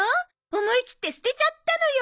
思い切って捨てちゃったのよ。